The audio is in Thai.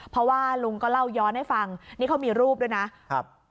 เพราะว่าลุงก็เล่าย้อนให้ฟังนี่เขามีรูปด้วยนะครับ